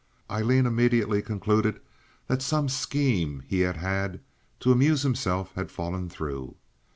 Aileen immediately concluded that some scheme he had had to amuse himself had fallen through.